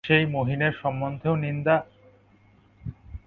সেই মহিনের সম্বন্ধেও নিন্দা!